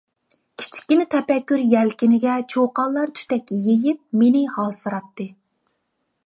كىچىككىنە تەپەككۇر يەلكىنىگە چۇقانلار تۈتەك يېيىپ مېنى ھالسىراتتى.